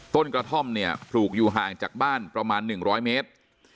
กระท่อมเนี่ยปลูกอยู่ห่างจากบ้านประมาณ๑๐๐เมตร